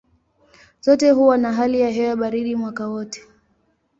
Zote huwa na hali ya hewa baridi mwaka wote.